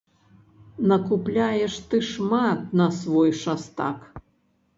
Накупляеш ты шмат на свой шастак!